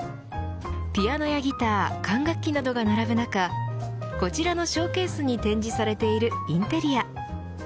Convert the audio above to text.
ピアノやギター管楽器などが並ぶ中こちらのショーケースに展示されているインテリア。